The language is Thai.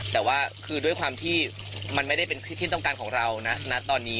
แต่ว่าคือด้วยความที่มันไม่ได้เป็นที่ต้องการของเรานะตอนนี้